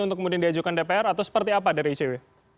untuk kemudian diajukan dpr atau seperti apa dari icw